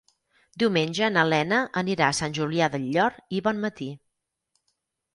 Diumenge na Lena anirà a Sant Julià del Llor i Bonmatí.